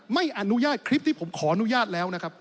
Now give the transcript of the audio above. ไม่อนุญาตคลิปที่ผมขออนุญาตแล้วนะครับ